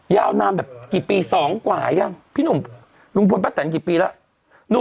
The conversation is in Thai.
ยาวนานแบบปี๒กว่ายังพี่หนุ่มลุงพปกี่ปีแล้ว